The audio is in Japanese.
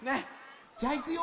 じゃいくよ。